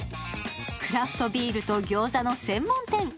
クラフトビールと餃子の専門店。